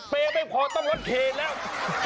เปรย์ไม่พอต้องรับเทแล้ว